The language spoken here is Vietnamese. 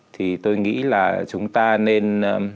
thì tôi nghĩ là chúng ta nên